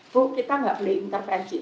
bu kita gak beli intervensi